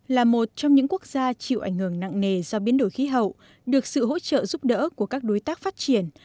là một trong những quốc gia chịu ảnh hưởng nặng nề do biến đổi khí hậu được sự hỗ trợ giúp đỡ của các đối tác phát triển